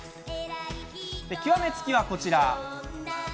極め付きはこちら。